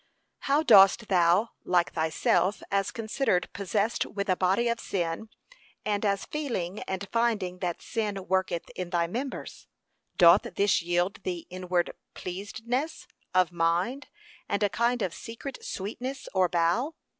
How dost thou like thyself, as considered possessed with a body of sin, and as feeling and finding that sin worketh in thy members? doth this yield thee inward pleasedness of mind, and a kind of secret sweetness, or bow?